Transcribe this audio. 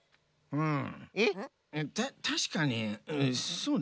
うん。